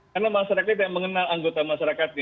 karena masyarakat itu yang mengenal anggota masyarakatnya